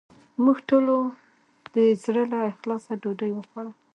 موږ ټولو د زړه له اخلاصه ډوډې وخوړه